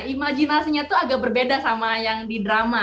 imajinasinya itu agak berbeda sama yang di drama